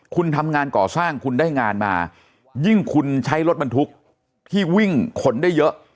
คุณทำงานก่อสร้างคุณได้งานมายิ่งคุณใช้รถบรรทุกที่วิ่งขนได้เยอะ